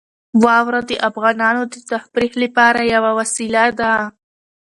واوره د افغانانو د تفریح لپاره یوه وسیله ده.